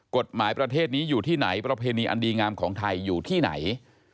ประเทศนี้อยู่ที่ไหนประเพณีอันดีงามของไทยอยู่ที่ไหน